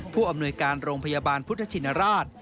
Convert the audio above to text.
ผู้อำนวยการโรงพยาบาลพุทธชินราช